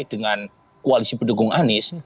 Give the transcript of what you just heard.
dengan koalisi pendukung anies